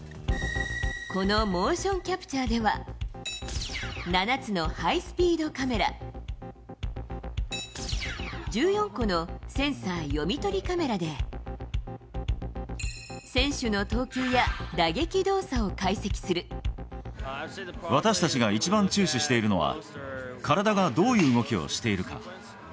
このモーションキャプチャーでは、７つのハイスピードカメラ、１４個のセンサー読み取りカメラで、私たちが一番注視しているのは、体がどういう動きをしているか。